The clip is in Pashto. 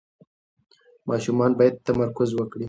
ماشومان باید تمرکز وکړي.